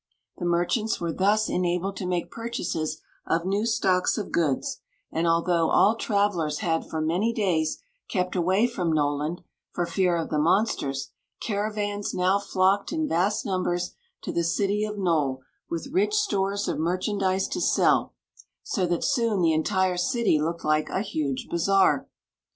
The merchants were thus enabled to make purchases of new stocks of goods ; and although all travelers had for many days kept away from Noland, for fear of the monsters, caravans now flocked in vast num bers to the city of Nole with rich stores of merchan dise to sell, so thr c soon the entire city looked like a huge bazaar.